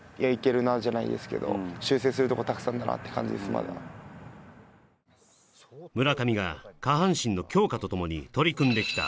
まだ村上が下半身の強化とともに取り組んできた